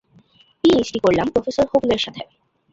P H D করলাম professor হোবলের সঙ্গে।